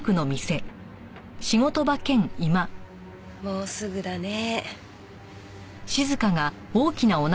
もうすぐだね。